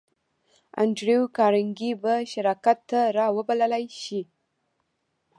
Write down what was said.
انډریو کارنګي به شراکت ته را وبللای شې